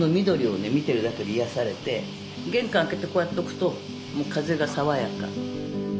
見てるだけで癒やされて玄関開けてこうやっておくと風が爽やか。